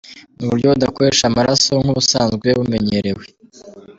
Ni uburyo budakoresha amaraso nk’ ubusanzwe bumenyerewe.